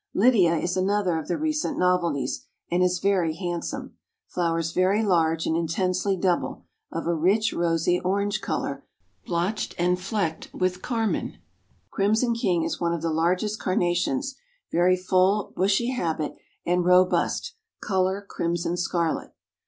Lydia is another of the recent novelties, and is very handsome. Flowers very large and intensely double, of a rich rosy, orange color blotched and flecked with carmine. Crimson King is one of the largest Carnations, very full, bushy habit, and robust, color crimson scarlet.